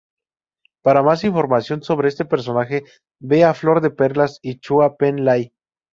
Para más información sobre este personaje vea Flor de Perlas y Chua Pen Lai.